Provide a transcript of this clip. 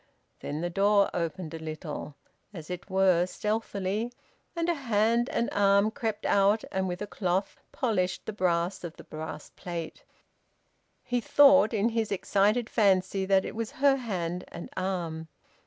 Then the door opened a little, as it were stealthily, and a hand and arm crept out and with a cloth polished the face of the brass plate. He thought, in his excited fancy, that it was her hand and arm.